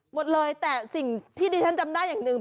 หมดเลยแต่สิ่งที่ดิฉันจำได้อย่างหนึ่ง